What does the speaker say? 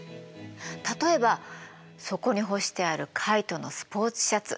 例えばそこに干してあるカイトのスポーツシャツ。